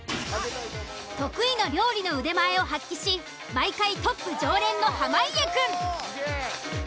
得意の料理の腕前を発揮し毎回トップ常連の濱家くん。